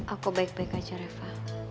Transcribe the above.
aku baik baik aja reva